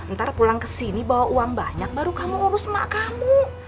ntar pulang ke sini bawa uang banyak baru kamu ngurus emak kamu